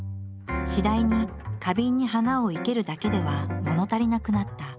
次第に花瓶に花を生けるだけではもの足りなくなった。